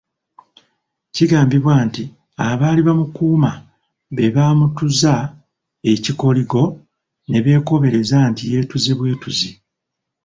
Kigambibwa nti abaali bamukuuma be bamutuza ekikoligo ne beekobereza nti yeetuze bwetuzi.